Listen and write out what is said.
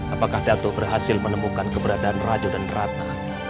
apakah datuk berhasil menemukan keberadaan raja onan ratna